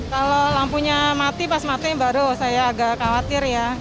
kalau lampunya mati pas mati baru saya agak khawatir ya